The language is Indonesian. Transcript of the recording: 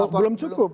oh belum cukup